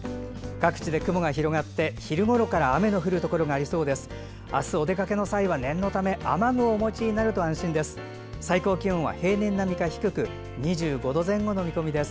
各地で雲が広がって昼ごろから雨の降るところがありそうです。